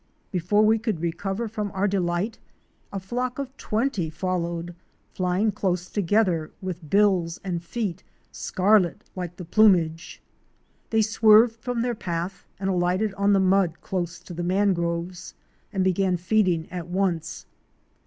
Before we could recover from our delight a flock of twenty followed, flying close together, with bills and feet scarlet like the plumage. They swerved from their path and alighted on the mud close to the mangroves, and began feeding at once.